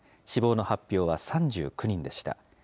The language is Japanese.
死亡の発表は３９人でした。